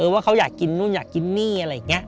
ว่าเขาอยากกินนู่นอยากกินนี่อะไรอย่างนี้